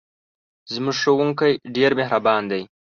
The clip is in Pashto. زموږ ښوونکی ډېر مهربان دی.